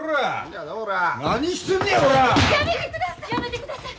やめてください！